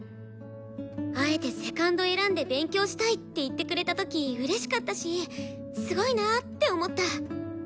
あえてセカンド選んで勉強したいって言ってくれた時うれしかったしすごいなって思った。